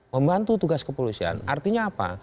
membantu tugas kepolisian artinya apa